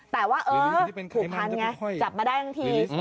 แต่ว่าผู้พันธุ์ไงจับมาได้อย่างที่